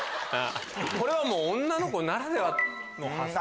これは女の子ならではの発想。